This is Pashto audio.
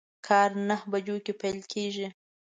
کار نهه بجو کی پیل کیږي